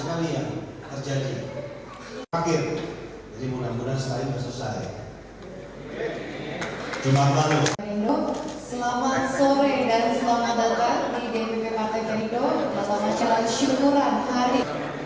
selamat jalan syukuran hari